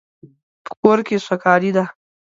په کور کې سوکالی ده